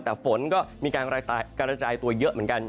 แต่ฝนก็มีการกระจายตัวเยอะเหมือนกัน